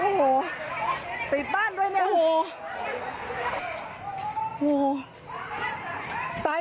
โอ้โหติดบ้านด้วยเนี่ยโห